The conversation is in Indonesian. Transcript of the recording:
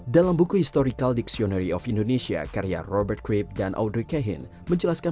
dalam buku historical dictionary of indonesia karya robert crip dan audrey kehin menjelaskan